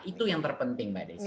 itu yang terpenting mbak desi